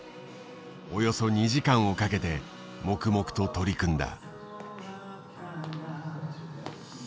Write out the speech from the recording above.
およそ２時間をかけて黙々と取り組んだ。